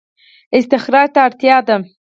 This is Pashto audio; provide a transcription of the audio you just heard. استخراج ته اړتیا ده